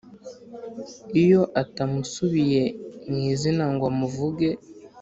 Iyo atamusubiye mu izina ngo amuvuge